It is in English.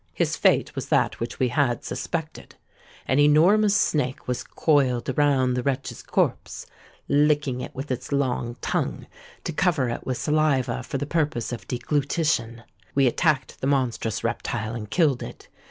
His fate was that which we had suspected: an enormous snake was coiled around the wretch's corpse—licking it with its long tongue, to cover it with saliva for the purpose of deglutition. We attacked the monstrous reptile, and killed it.